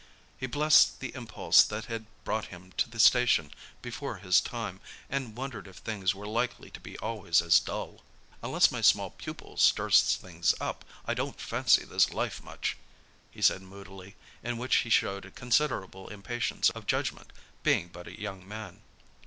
He blessed the impulse that had brought him to the station before his time, and wondered if things were likely to be always as dull. "Unless my small pupil stirs things up, I don't fancy this life much," he said moodily, in which he showed considerable impatience of judgment, being but a young man.